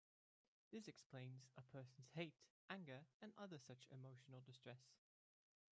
This explains a person's hate, anger and other such emotional distress.